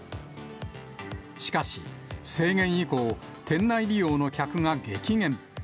しかし、制限以降、店内利用の客が激減。